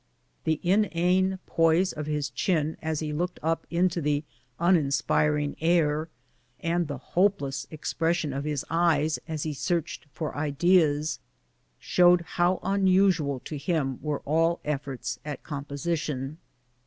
The in ane poise of his chin as he looked np into the uninspir ing air, and the hopeless expression of his eyes as he searched for ideas, showed how unusual to him were all efforts at composition.